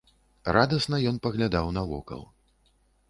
Радасна ён паглядаў навокал.